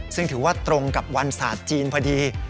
ซึ่งถือว่าตรงกับวันศาสตร์จีนพอดี